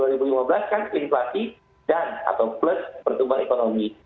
kalau kita pakai pp nomor tujuh puluh delapan dua ribu lima belas kan inflasi dan atau plus pertumbuhan ekonomi